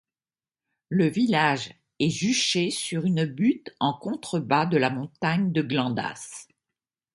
Le village est juché sur une butte en contrebas de la montagne de Glandasse.